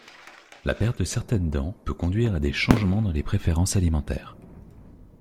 La perte de certaines dents peut conduire à des changements dans les préférences alimentaires.